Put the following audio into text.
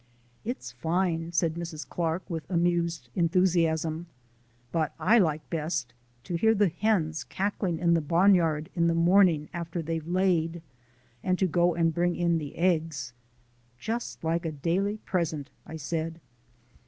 "It's fine!" said Mrs. Clark with amused enthusiasm, "but I like best to hear the hens cackling in the barnyard in the morning after they've laid, and to go and bring in the eggs." "Just like a daily present!" I said.